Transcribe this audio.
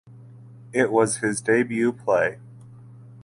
It was his debut play.